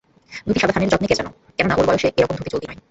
ধুতি সাদা থানের যত্নে কোঁচানো, কেননা ওর বয়সে এরকম ধুতি চলতি নয়।